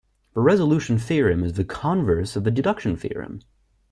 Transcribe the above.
The resolution theorem is the converse of the deduction theorem.